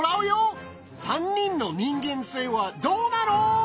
３人の人間性はどうなの？